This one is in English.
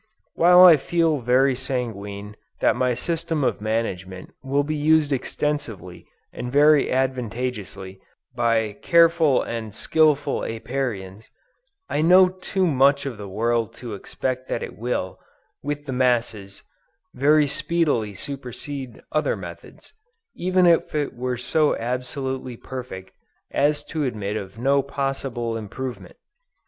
While I feel very sanguine that my system of management will be used extensively and very advantageously, by careful and skillful Apiarians, I know too much of the world to expect that it will, with the masses, very speedily supercede other methods, even if it were so absolutely perfect, as to admit of no possible improvement.